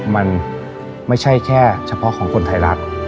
มันไม่ใช่แค่เฉพาะของคนไทยรัฐ